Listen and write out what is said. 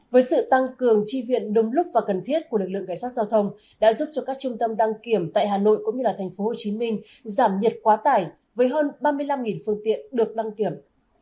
với sự tăng cường tri viện đồng lúc và cần thiết của lực lượng cảnh sát giao thông đã giúp cho các trung tâm đăng kiểm tại hà nội cũng như thành phố hồ chí minh giảm nhiệt quá tải với hơn ba mươi năm phương tiện được đăng kiểm